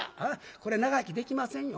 これ長生きできませんよ。